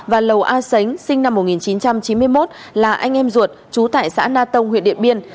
và lầu a sánh sinh năm một nghìn chín trăm chín mươi một là anh em ruột trú tại xã na tông huyện điện biên